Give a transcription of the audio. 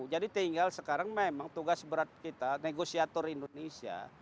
jadi tinggal sekarang memang tugas berat kita negosiator indonesia